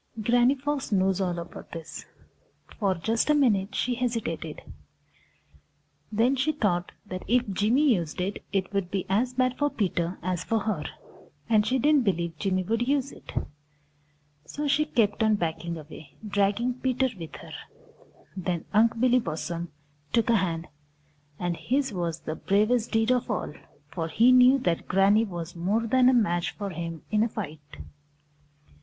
Granny Fox knows all about this. For just a minute she hesitated. Then she thought that if Jimmy used it, it would be as bad for Peter as for her, and she didn't believe Jimmy would use it. So she kept on backing away, dragging Peter with her. Then Unc' Billy Possum took a hand, and his was the bravest deed of all, for he knew that Granny was more than a match for him in a fight.